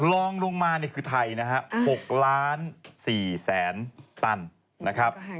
ลองลงมานี่คือไทยนะฮะ๖ล้าน๔แสนตันนะครับ